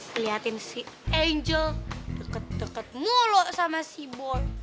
liatin si angel deket deket mulu sama si boy